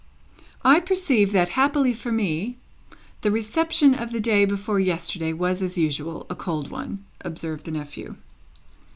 "I perceive that, happily for me, the Reception of the day before yesterday was, as usual, a cold one," observed the nephew.